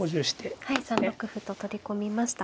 はい３六歩と取り込みました。